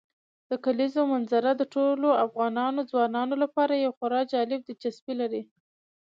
د کلیزو منظره د ټولو افغان ځوانانو لپاره یوه خورا جالب دلچسپي لري.